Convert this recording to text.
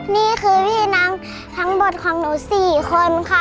นี่คือพี่น้องทั้งหมดของหนู๔คนค่ะ